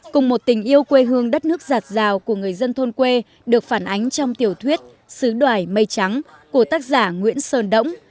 cùng một tình yêu quê hương đất nước giặt rào của người dân thôn quê được phản ánh trong tiểu thuyết sứ đoài mây trắng của tác giả nguyễn sơn đẫng